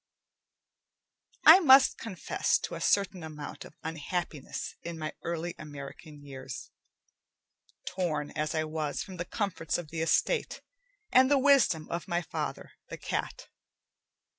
I must confess to a certain amount of unhappiness in my early American years, torn as I was from the comforts of the estate and the wisdom of my father, the cat.